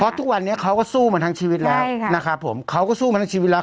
ทุกวันนี้เขาก็สู้มาทั้งชีวิตแล้วนะครับผมเขาก็สู้มาทั้งชีวิตแล้ว